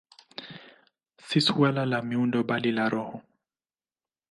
Si suala la miundo, bali la roho.